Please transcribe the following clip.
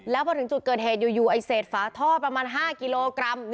แล้วพอถึงจุดเกิดเหตุอยู่ไอ้เศษฝาท่อประมาณ๕กิโลกรัม